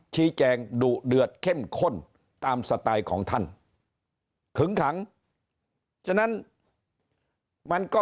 ชี้แจงดุเดือดเข้มข้นตามสไตล์ของท่านขึงขังฉะนั้นมันก็